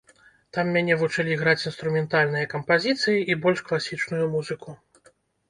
Там мяне вучылі граць інструментальныя кампазіцыі і больш класічную музыку.